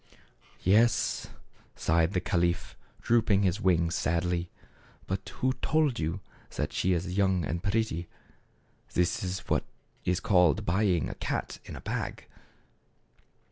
" Yes," sighed the caliph, drooping his wings sadly. "But who told you that she is young and pretty? This is what is called buying a cat in a bag